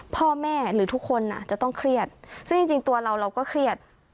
พ่อแม่หรือทุกคนจะต้องเครียดซึ่งจริงตัวเราเราก็เครียด